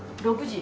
６時？